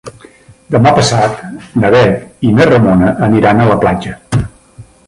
Demà passat na Bet i na Ramona aniran a la platja.